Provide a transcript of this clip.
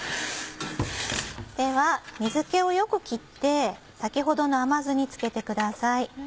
では水気をよく切って先ほどの甘酢に漬けてください。